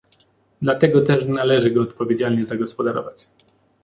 Dlatego też należy go odpowiedzialnie zagospodarować